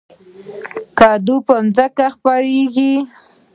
کدو په ځمکه خپریږي